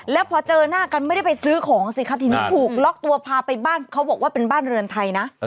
แล้วพอเจอหน้ากันไม่ได้ไปซื้อของสิครับทีนี้ถูกล็อกตัวพาไปบ้านเขาบอกว่าเป็นบ้านเรือนไทยนะ